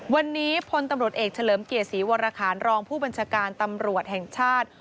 วันนี้พลตำรวจเอกเฉลิมเกียรติศรีวรคารรองผู้บัญชาการตำรวจแห่งชาติ